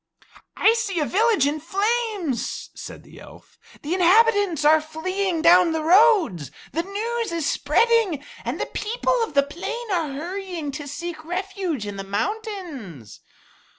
"I see a village in flames," said the elf. "The inhabitants are fleeing down the roads. The news is spreading, and the people of the plain are hurrying to seek refuge in the mountains."